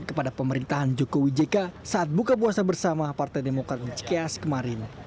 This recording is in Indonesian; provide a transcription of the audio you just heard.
kepada pemerintahan jokowi jk saat buka puasa bersama partai demokrat di cikeas kemarin